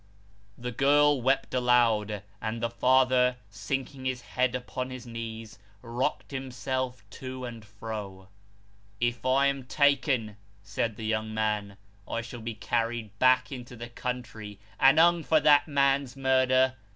The girl wept aloud; and the father, sinking his head upon his knees, rocked himself to and fro. " If I am taken," said the young man, " I shall be carried back into He becomes his Son's Executioner. 373 the country, and hung for that man's murder.